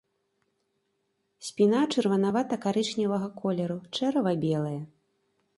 Спіна чырванавата-карычневага колеру, чэрава белае.